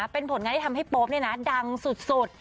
เป็นผลงานที่ทำให้โป๊ปดังสุด